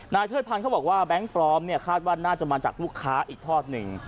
นายเทรดพังเขาบอกว่าแบงค์ปรอมคาดว่าน่าจะมาจากลูกค้าอีกทอดหนึ่ง